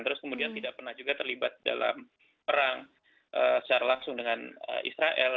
terus kemudian tidak pernah juga terlibat dalam perang secara langsung dengan israel